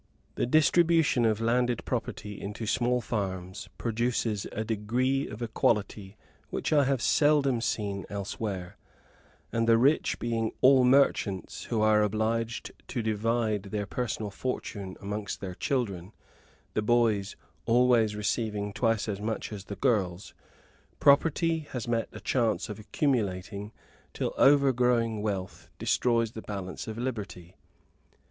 The distribution of landed property into small farms produces a degree of equality which I have seldom seen elsewhere; and the rich being all merchants, who are obliged to divide their personal fortune amongst their children, the boys always receiving twice as much as the girls, property has met a chance of accumulating till overgrowing wealth destroys the balance of liberty.